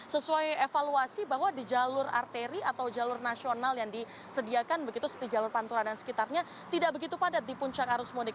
sesuai evaluasi bahwa di jalur arteri atau jalur nasional yang disediakan begitu seperti jalur pantura dan sekitarnya tidak begitu padat di puncak arus mudik